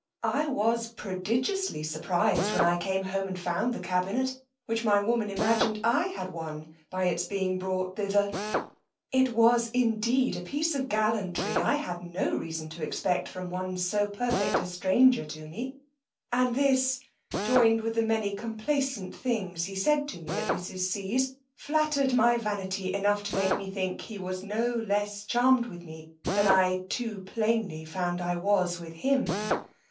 I was prodigiously surprized when I came home and found the Cabinet, which my woman imagined I had won by its being brought thither. It was indeed a piece of gallantry I had no reason to expect from one so perfect a stranger to me; and this, joined with the many complaisant things he said to me at mrs. C rt f r's, flattered my vanity enough to make me think he was no less charmed with me than I too plainly found I was with him.